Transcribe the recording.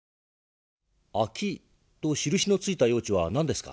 空きと印のついた用地は何ですか？